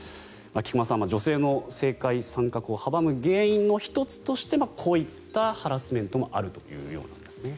菊間さん、女性の政界参画を阻む原因の１つとしてこういったハラスメントもあるというようなんですね。